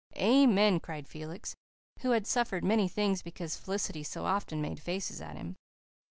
"Amen," cried Felix, who had suffered many things because Felicity so often made faces at him.